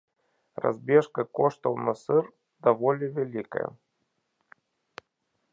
Разбежка коштаў на сыр даволі вялікая.